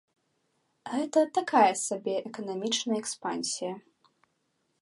Гэта такая сабе эканамічная экспансія.